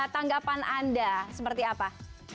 tanggapan anda seperti apa